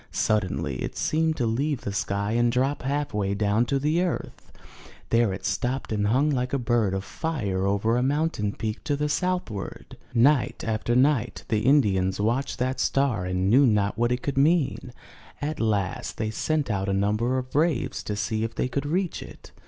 Suddenly it seemed to leave the sky and drop half way down to the earth. There it stopped and hung like a bird of fire over a mountain peak to the southward. Night after night the Indians watched that star and knew 117 MY BOOK HOUSE not what it could mean. At last they sent out a number of braves to see if they could reach it.